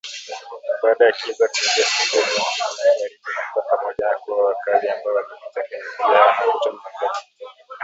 Baada ya kiza kuingia siku ya Jumapili na kuharibu nyumba pamoja na kuwaua wakaazi ambao walipita kwenye njia yao na kuchoma magari sita.